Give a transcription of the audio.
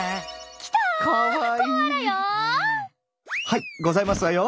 はいございますわよ。